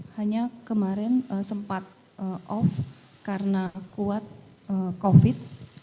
hanya kemarin sempat off karena kuat covid